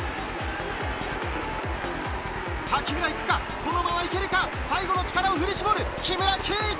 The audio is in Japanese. さぁ木村行くか、このままいけるか、最後の力を振り絞る木村敬一！